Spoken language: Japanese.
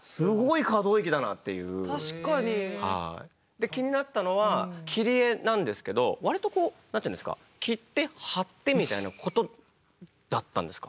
で気になったのは切り絵なんですけどわりとこう何ていうんですか切って貼ってみたいなことだったんですか？